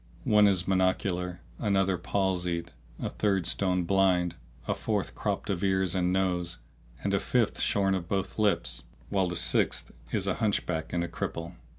One is a monocular, another palsied, a third stone blind, a fourth cropped of ears and nose and a fifth shorn of both lips, while the sixth is a hunchback and a cripple.